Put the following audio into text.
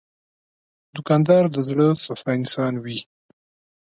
دوکاندار د زړه صفا انسان وي.